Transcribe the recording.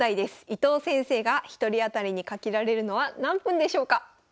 伊藤先生が１人当たりにかけられるのは何分でしょうか。